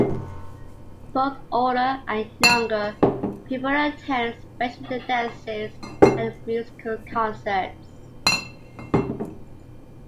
Both older and younger people attend, especially the dances and musical concerts.